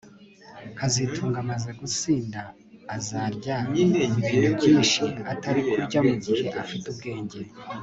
kazitunga amaze gusinda azarya ibintu byinshi atari kurya mugihe afite ubwenge